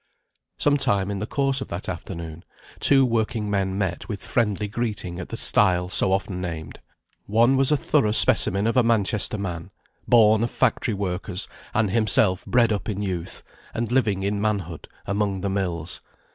Sometime in the course of that afternoon, two working men met with friendly greeting at the stile so often named. One was a thorough specimen of a Manchester man; born of factory workers, and himself bred up in youth, and living in manhood, among the mills.